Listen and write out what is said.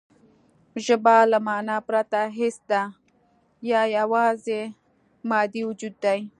ژبه له مانا پرته هېڅ ده یا یواځې مادي وجود دی